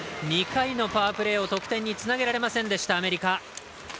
２回のパワープレーを得点につなげられなかったアメリカ。